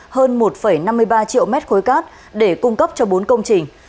hơn một năm mươi ba triệu mét khối cát để cung cấp cho bốn công trình